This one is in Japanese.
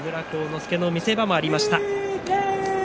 助の見せ場もありました。